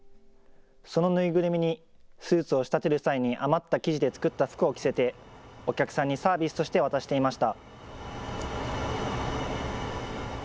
その縫いぐるみにスーツを仕立てる際に余った生地で作った服を着せてお客さんにサービスとして渡していました。